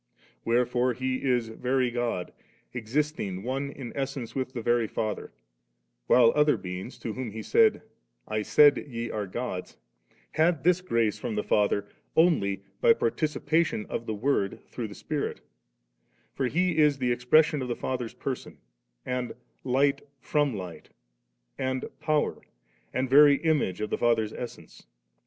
Wherefore He is very God, existing one" in essence with the veiy Father; while other beings, to whom He said, ' I said ye are GodsS' had this grace from the Father, only by partici pation * of the Word, through the Spirit For He is the expression of the Father's Person, and Light from Light, and Power, and very Image of the Father's essence.